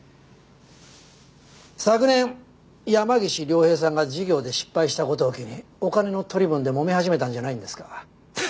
昨年山岸凌平さんが事業で失敗した事を機にお金の取り分でもめ始めたんじゃないんですか？